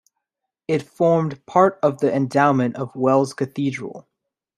It formed part of the endowment of Wells Cathedral.